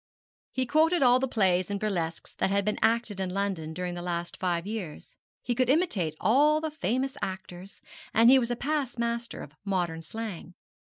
He quoted all the plays and burlesques that had been acted in London during the last five years; he could imitate all the famous actors; and he was a past master of modern slang.